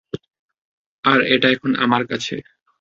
আর এটা এখন আমার কাছে।